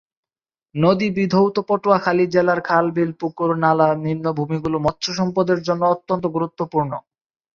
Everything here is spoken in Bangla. নদী বিধৌত পটুয়াখালী জেলার খাল-বিল, পুকুর, নালা, নিম্নভূমি গুলো মৎস্য সম্পদের জন্য অত্যন্ত গুরুত্বপূর্ণ।